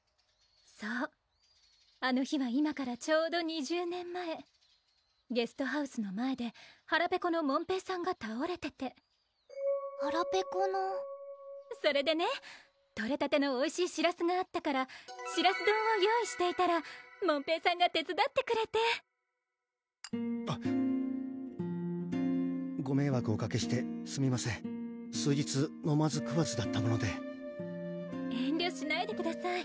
そうあの日は今からちょうど２０年前ゲストハウスの前ではらペコの門平さんがたおれててはらペコのそれでねとれたてのおいしいしらすがあったからしらす丼を用意していたら門平さんが手つだってくれてご迷惑おかけしてすみません数日飲まず食わずだったもので遠慮しないでください